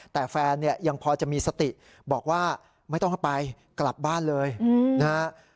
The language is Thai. แต่แฟนเนี่ยยังพอจะมีสติบอกว่าไม่ต้องให้ไปกลับบ้านเลยนะฮะ